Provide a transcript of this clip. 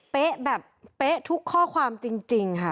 เป๊ะแบบเป๊ะทุกข้อความจริงค่ะ